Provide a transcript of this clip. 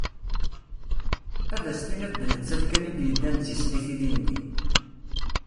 Ad as-tiniḍ d nettat kan i d-yeddan d tislit ilindi.